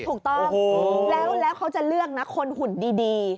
ถูกต้องแล้วเขาจะเลือกนะคนหุ่นดี